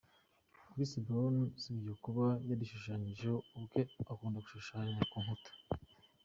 Chris Brown usibye kuba yarishushanyijeho ubwe akunda gushushanya ku nkuta.